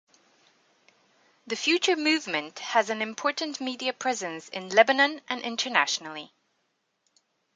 The future Movement has an important media presence in Lebanon and internationally.